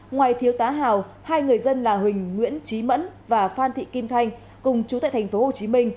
ngoài thiếu tá hào hai người dân là huỳnh nguyễn trí mẫn và phan thị kim thanh cùng chú tại thành phố hồ chí minh